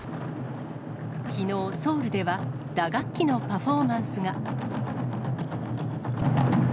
きのうソウルでは、打楽器のパフォーマンスが。